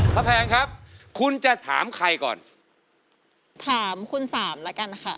พระแพงครับคุณจะถามใครก่อนถามคุณสามแล้วกันค่ะ